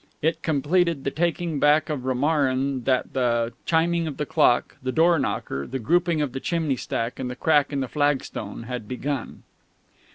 It completed the taking back of Romarin that the chiming of the clock, the doorknocker, the grouping of the chimney stack and the crack in the flagstone had begun.